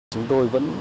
chúng tôi vẫn